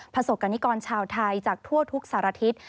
ประสบกรณิกรชาวไทยจากทั่วทุกสารทิศ